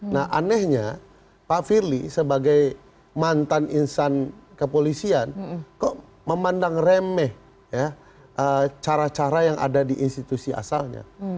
nah anehnya pak firly sebagai mantan insan kepolisian kok memandang remeh cara cara yang ada di institusi asalnya